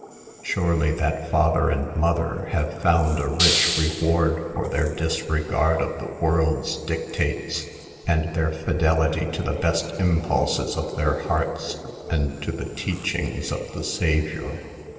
Surely that father and mother have found a rich reward for their disregard of the world's dictates, and their fidelity to the best impulses of their hearts and to the teachings of the Saviour.